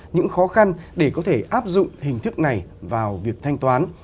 những khó khăn để có thể áp dụng hình thức này vào việc thanh toán